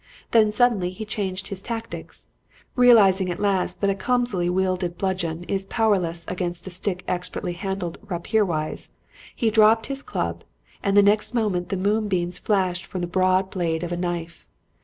Then suddenly he changed his tactics. Realizing at last that a clumsily wielded bludgeon is powerless against a stick expertly handled rapier wise, he dropped his club, and the next moment the moonbeams flashed from the broad blade of a knife.